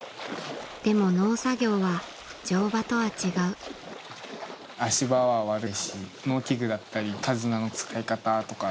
でも農作業は乗馬とは違う足場は悪いし農機具だったり手綱の使い方とか。